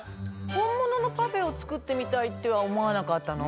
ほんもののパフェをつくってみたいとはおもわなかったの？